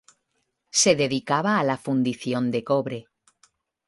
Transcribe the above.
Se dedicaba a la fundición de cobre.